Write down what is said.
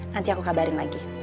nanti aku kabarin lagi